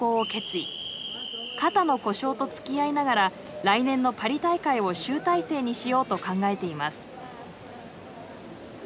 肩の故障とつきあいながら来年のパリ大会を集大成にしようと考えています。